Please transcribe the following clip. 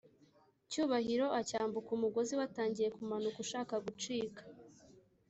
cyubahiro acyambuka umugozi watangiye kumanuka ushaka gucika